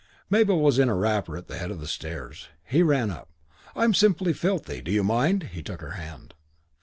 Mabel was in a wrapper at the head of the stairs. He ran up. "I'm simply filthy. Do you mind?" He took her hand.